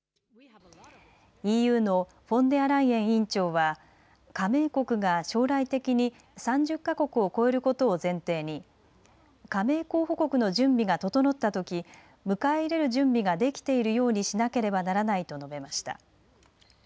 ＥＵのフォンデアライエン委員長は加盟国が将来的に３０か国を超えることを前提に加盟候補国の準備が整ったとき迎え入れる準備ができているようにしなければならないと述べました。